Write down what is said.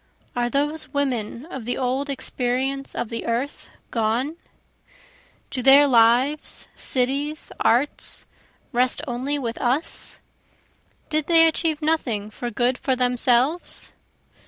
Are those women of the old experience of the earth gone? Do their lives, cities, arts, rest only with us? Did they achieve nothing for good for themselves?